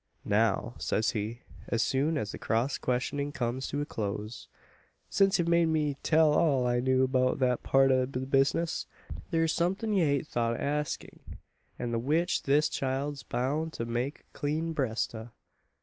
"Now," says he, as soon as the cross questioning comes to a close, "since ye've made me tell all I know 'beout thet part o' the bizness, thur's somethin' ye haint thought o' askin', an the which this child's boun' to make a clean breast o'."